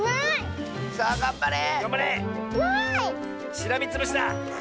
しらみつぶしだ！